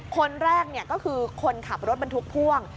คนแรกก็คือคนขับรถบรรทุกพ่วง